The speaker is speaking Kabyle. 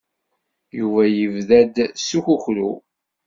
Yuba yebda-d s ukukru.